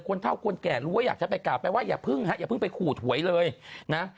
เท่าคนแก่รู้ว่าอยากจะไปกราบไปว่าอย่าเพิ่งฮะอย่าเพิ่งไปขูดหวยเลยนะ